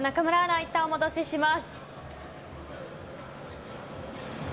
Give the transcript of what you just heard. いったんお戻しします。